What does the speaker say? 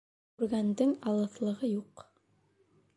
Күргәндең алыҫлығы юҡ